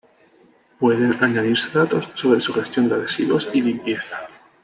Pueden añadirse datos sobre su gestión de residuos y limpieza.